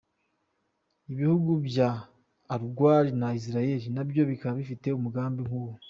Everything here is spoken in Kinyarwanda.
Ibihugu bya Uruguay na Israel na byo bikaba bifite umugambi nk’uwo.